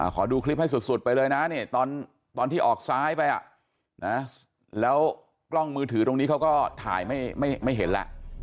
ขอดูคลิปให้สุดไปเลยนะเนี่ยตอนที่ออกซ้ายไปแล้วกล้องมือถือตรงนี้เขาก็ถ่ายไม่เห็นแล้ว